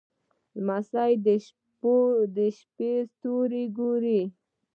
لمسی د شپې ستوري ګوري.